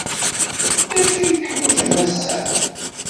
D acu ay teḥwajeḍ a Massa?